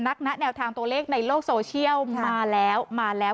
นักแนะแนวทางตัวเลขในโลกโซเชียลมาแล้ว